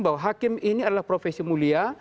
bahwa hakim ini adalah profesi mulia